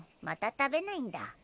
また食べないんだ